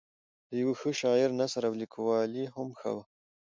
د یوه ښه شاعر نثر او لیکوالي هم ښه وه.